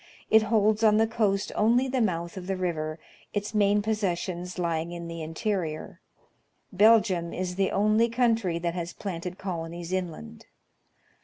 It holds on the coast only the mouth of the river, its main possessions lying in the interior, Belgium is the only country that has planted colonies inland.